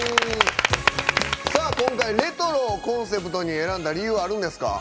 今回レトロをコンセプトに選んだ理由あるんですか？